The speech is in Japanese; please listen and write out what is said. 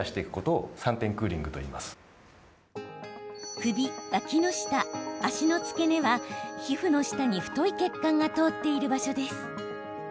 首、わきの下、脚の付け根は皮膚の下に太い血管が通っている場所です。